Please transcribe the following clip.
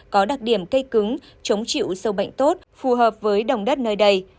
có đặc điểm cây cứng chống chịu sâu bệnh tốt phù hợp với đồng đất nơi đây